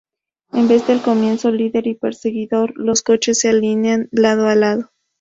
En vez del comienzo líder y perseguidor, los coches se alinean lado a lado.